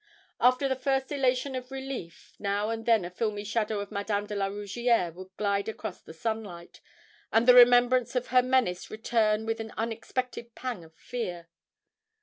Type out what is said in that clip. After the first elation of relief, now and then a filmy shadow of Madame de la Rougierre would glide across the sunlight, and the remembrance of her menace return with an unexpected pang of fear.